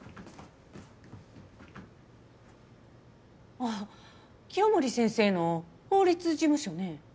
あっ清守先生の法律事務所ね。